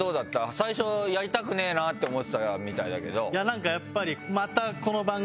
最初やりたくねえなって思ってたみたいだけど。